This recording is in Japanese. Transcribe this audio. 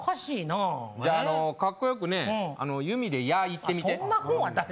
じゃあかっこよく、弓で矢を射ってみて。